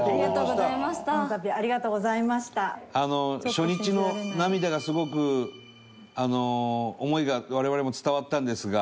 初日の涙がすごく思いが我々も伝わったんですが。